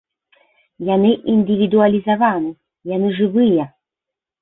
Яны індывідуалізаваны, яны жывыя.